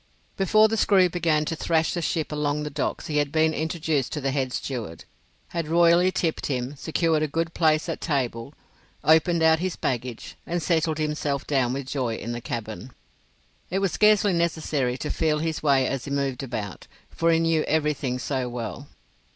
Before the screw began to thrash the ship along the Docks he had been introduced to the head steward, had royally tipped him, secured a good place at table, opened out his baggage, and settled himself down with joy in the cabin. It was scarcely necessary to feel his way as he moved about, for he knew everything so well.